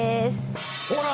ほら！